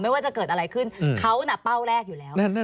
ว่าจะเกิดอะไรขึ้นเขาน่ะเป้าแรกอยู่แล้ว